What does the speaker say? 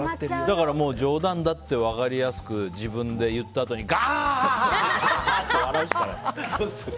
だから、冗談だって分かりやすく自分で言ったあとにがはは！って笑うしかない。